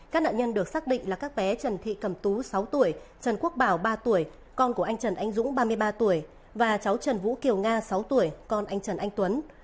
các nạn nhân được xác định là các bé trần thị cẩm tú sáu tuổi trần quốc bảo ba tuổi con của anh trần anh dũng ba mươi ba tuổi và cháu trần vũ kiều nga sáu tuổi con anh trần anh tuấn